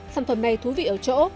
sản phẩm này thú vị ở chỗ